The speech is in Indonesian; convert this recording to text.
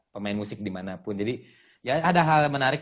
pemain musik dimanapun jadi ya ada hal menarik